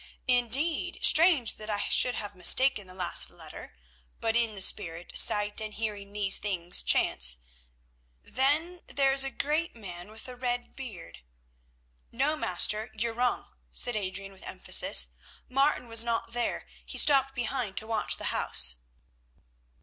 "Indeed! Strange that I should have mistaken the last letter, but in the spirit sight and hearing these things chance: then there is a great man with a red beard." "No, Master, you're wrong," said Adrian with emphasis; "Martin was not there; he stopped behind to watch the house."